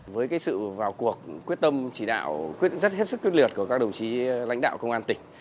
với sự vào cuộc quyết tâm chỉ đạo rất hết sức quyết liệt của các đồng chí lãnh đạo công an tỉnh